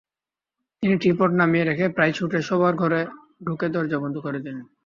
তিনি টী-পট নামিয়ে রেখে প্রায় ছুটে শোবার ঘরে ঢুকে দরজা বন্ধ করে দিলেন।